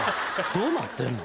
どうなってんの？